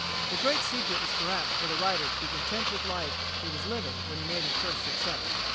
The great secret is perhaps for the writer to be content with the life he was living when he made his first success.